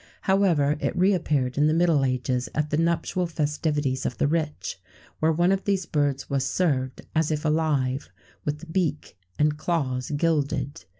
[XVII 130] However, it re appeared in the middle ages at the nuptial festivities of the rich, where one of these birds was served, as if alive, with the beak and claws gilded.